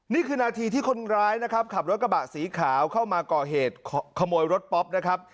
นี่คือนาทีที่คนร้ายนะครับขับรถกระบะสีขาวเข้ามาก่อเหตุขโมยรถป๊อปนะครับ